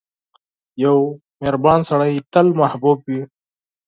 • یو مهربان سړی تل محبوب وي.